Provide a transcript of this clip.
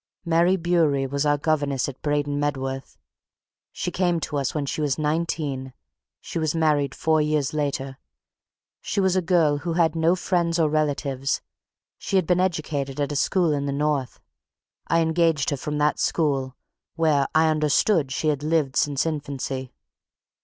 Mary Bewery was our governess at Braden Medworth. She came to us when she was nineteen she was married four years later. She was a girl who had no friends or relatives she had been educated at a school in the North I engaged her from that school, where, I understood, she had lived since infancy.